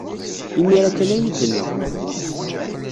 Imir-a kan ay iyi-d-tenna.